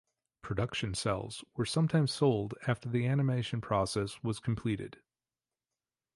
Production cels were sometimes sold after the animation process was completed.